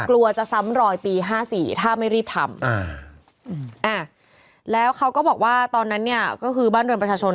กลัวจะซ้ำรอยปีห้าสี่ถ้าไม่รีบทำแล้วเขาก็บอกว่าตอนนั้นเนี่ยก็คือบ้านเรือนประชาชน